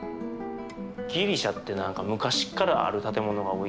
ギリシャって何か昔っからある建物が多いイメージ。